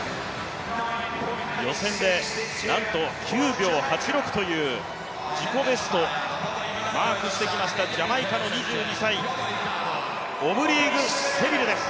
予選でなんと９秒８６という自己ベストをマークしてきました、ジャマイカの２２歳、オブリーク・セビルです。